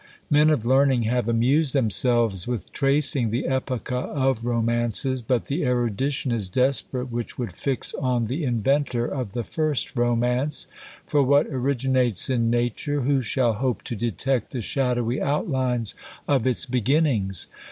Men of learning have amused themselves with tracing the epocha of romances; but the erudition is desperate which would fix on the inventor of the first romance: for what originates in nature, who shall hope to detect the shadowy outlines of its beginnings?